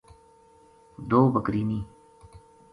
دو بکری نیہہ